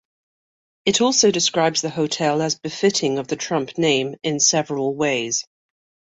It also describes the hotel as befitting of the Trump name in several ways.